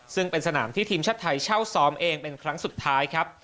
ซึ่งเป็นสนามที่ทีมชาติไทยเช่าซ้อมเองเป็นครั้งสุดท้ายครับ